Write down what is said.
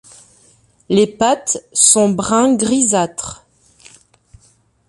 Les pattes sont brun grisâtre.